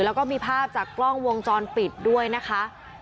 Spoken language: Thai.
แล้วก็มีภาพจากกล้องวงจรปิดด้วยนะคะ